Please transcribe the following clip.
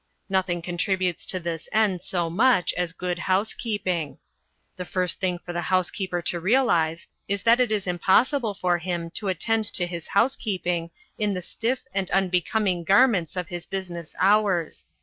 Nothing contributes to this end so much as good housekeeping. The first thing for the housekeeper to realise is that it is impossible for him to attend to his housekeeping in the stiff and unbecoming garments of his business hours.